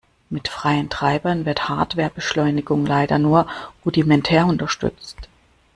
Mit freien Treibern wird Hardware-Beschleunigung leider nur rudimentär unterstützt.